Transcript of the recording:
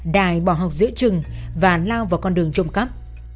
đại bỏ học giữa trừng và lao vào con đường trộm cắp